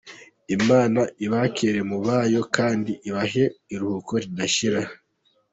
Imana ibakire mu bayo kandi ibahe iruhuko ridashira.